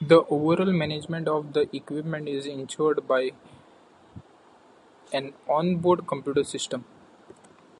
The overall management of the equipment is insured by an onboard computer system.